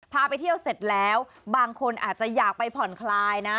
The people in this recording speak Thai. พาไปเที่ยวเสร็จแล้วบางคนอาจจะอยากไปผ่อนคลายนะ